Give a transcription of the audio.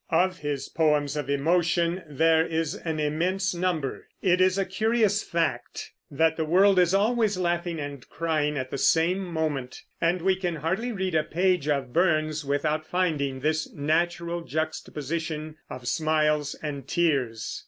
Of his poems of emotion there is an immense number. It is a curious fact that the world is always laughing and crying at the same moment; and we can hardly read a page of Burns without finding this natural juxtaposition of smiles and tears.